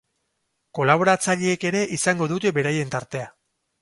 Kolaboratzaileek ere izango dute beraien tartea.